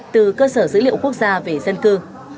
từ cơ sở dữ liệu quốc gia về dân cư